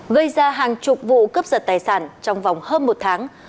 gây ra hàng chục vụ cướp giật tài sản trong vòng hơn một tháng